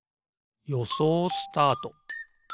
よそうスタート！